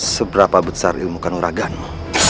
seberapa besar ilmu kanuraganmu